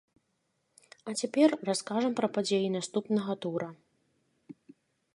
А цяпер раскажам пра падзеі наступнага тура.